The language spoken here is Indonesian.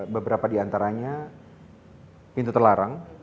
beberapa di antaranya pintu terlarang